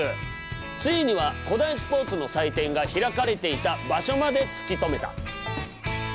ついには古代スポーツの祭典が開かれていた場所まで突き止めた。